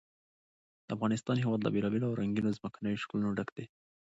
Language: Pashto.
د افغانستان هېواد له بېلابېلو او رنګینو ځمکنیو شکلونو ډک دی.